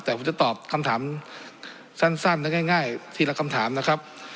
แต่ผมจะตอบคำถามสั้นและง่ายทีละคำถามนะครับ